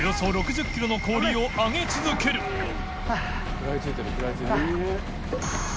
食らいついてる。